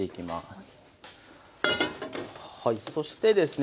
そしてですね